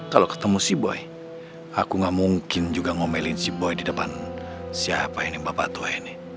kalau ketemu si boy aku gak mungkin juga ngomelin si boy di depan siapa ini bapak tua ini